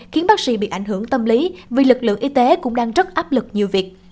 khiến bác sĩ bị ảnh hưởng tâm lý vì lực lượng y tế cũng đang rất áp lực nhiều việc